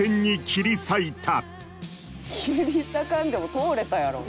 「切り裂かんでも通れたやろ」